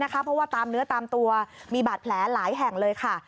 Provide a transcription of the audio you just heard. เพราะว่าตามเนื้อตามตัวมีบาดแผลหลายแห่งเลยค่ะ